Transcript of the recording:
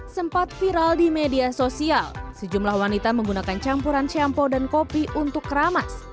sempat viral di media sosial sejumlah wanita menggunakan campuran shampoo dan kopi untuk keramas